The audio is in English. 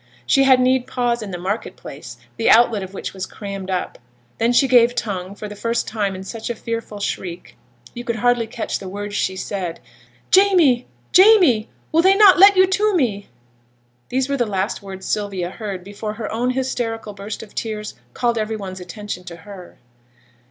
She had need pause in the market place, the outlet of which was crammed up. Then she gave tongue for the first time in such a fearful shriek, you could hardly catch the words she said. 'Jamie! Jamie! will they not let you to me?' Those were the last words Sylvia heard before her own hysterical burst of tears called every one's attention to her.